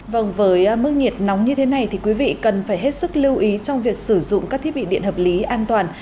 vâng với mức nhiệt nóng như thế này thì quý vị cần phải hết sức lưu ý trong việc sử dụng các thiết bị điện hợp lý an toàn